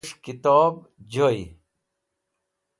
Tuwes̃h Kitob Joy